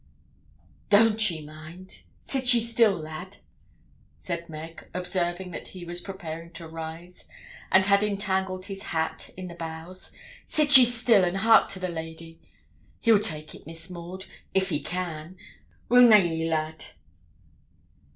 'Don't ye mind; sit ye still, lad,' said Meg, observing that he was preparing to rise, and had entangled his hat in the boughs. 'Sit ye still, and hark to the lady. He'll take it, Miss Maud, if he can; wi' na ye, lad?'